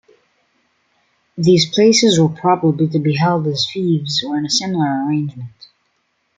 These places were probably to be held as fiefs or in a similar arrangement.